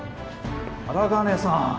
荒金さん。